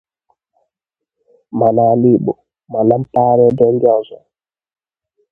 ma n'ala Igbo ma na mpaghara ebe ndị ọzọ.